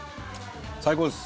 最高っす！